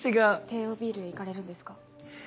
帝王ビールへ行かれるんですか？